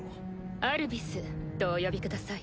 アルビスとお呼びください